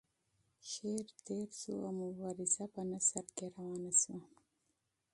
شعر تیر شو او مبارزه په نثر کې روانه شوه.